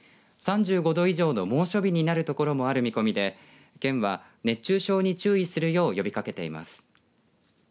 ３５度以上の猛暑日になる所もある見込みで県は熱中症に注意するよう呼びかけています。